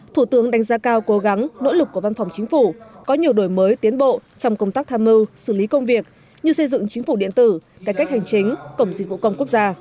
thủ tướng đánh giá cao cố gắng nỗ lực của văn phòng chính phủ có nhiều đổi mới tiến bộ trong công tác tham mưu xử lý công việc như xây dựng chính phủ điện tử cải cách hành chính cổng dịch vụ công quốc gia